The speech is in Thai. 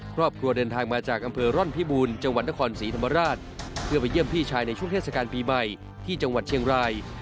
ครอบครัวเดินทางมาจากอำเภอร่อนพิบูรณ์จังหวัดนครศรีธรรมราชเพื่อไปเยี่ยมพี่ชายในช่วงเทศกาลปีใหม่ที่จังหวัดเชียงราย